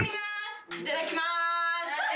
いただきます。